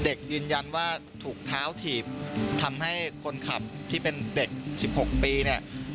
เด็กยืนยันว่าถูกเท้าถีบทำให้คนขับที่เป็นเด็ก๑๖ปีเนี่ย